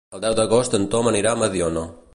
El deu d'agost en Tom anirà a Mediona.